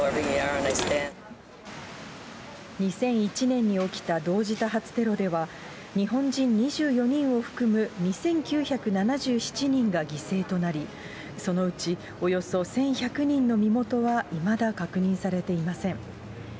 ２００１年に起きた同時多発テロでは、日本人２４人を含む２９７７人が犠牲となり、そのうちおよそ１１００人の身元はいまだ確認されていません。